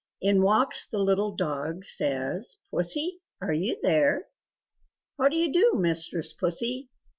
In walks the little dog says "Pussy are you there? How do you do mistress Pussy?